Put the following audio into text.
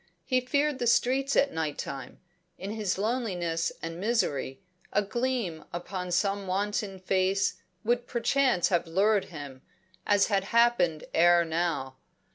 He feared the streets at night time; in his loneliness and misery, a gleam upon some wanton face would perchance have lured him, as had happened ere now.